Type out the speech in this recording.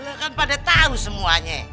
lo kan pada tau semuanya